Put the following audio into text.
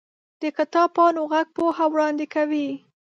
د کتاب پاڼو ږغ پوهه وړاندې کوي.